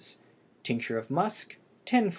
Tincture of musk 10 fl.